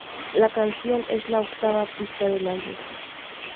La canción es la octava pista del álbum.